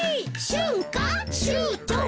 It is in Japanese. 「しゅんかしゅうとう」